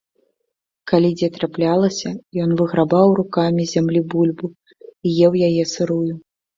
Калі дзе траплялася, ён выграбаў рукамі з зямлі бульбу і еў яе сырую.